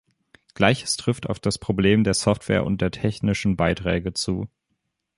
Gleiches trifft auf das Problem der Software und der technischen Beiträge zu.